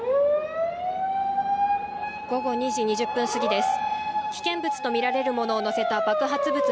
午後２時２０分過ぎです。